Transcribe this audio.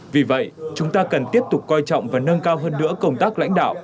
vì vậy chúng ta cần tiếp tục coi trọng và nâng cao hơn nữa công tác lãnh đạo